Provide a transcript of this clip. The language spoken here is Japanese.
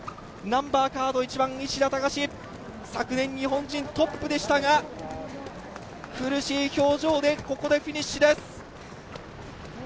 ナンバーカード１番・市田孝、昨年、日本人トップでしたが、苦しい表情でここでフィニッシュです。